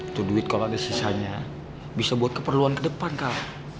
itu duit kalau ada sisanya bisa buat keperluan ke depan kalah